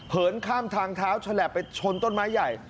เหินข้ามทางเท้าฉลับไปชนต้นไม้ใหญ่